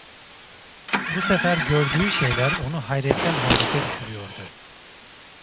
Bu sefer gördüğü şeyler onu hayretten hayrete düşürüyordu.